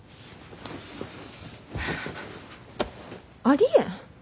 ありえん。